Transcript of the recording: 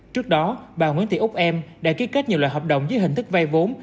trước đó bà nguyễn tị úc em đã ký kết nhiều loại hợp đồng với hình thức vay vốn